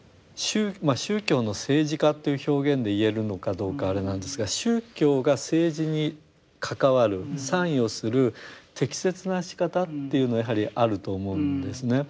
宗教の政治化という表現で言えるのかどうかあれなんですが宗教が政治に関わる参与する適切なしかたっていうのはやはりあると思うんですね。